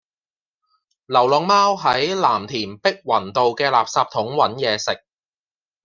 流浪貓喺藍田碧雲道嘅垃圾桶搵野食